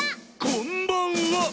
「こんばんは！」